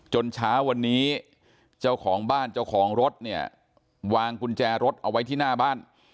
เช้าวันนี้เจ้าของบ้านเจ้าของรถเนี่ยวางกุญแจรถเอาไว้ที่หน้าบ้าน